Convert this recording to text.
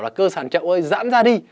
là cơ sàn trậu ơi dãn ra đi